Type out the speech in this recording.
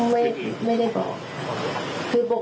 ไม่ดีไม่ได้บอก